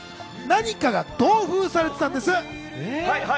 何かが同封されてたんです。